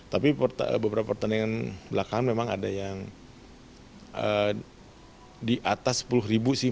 tapi beberapa pertandingan belakang memang ada yang di atas sepuluh ribu sih